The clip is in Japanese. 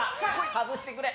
外してくれ。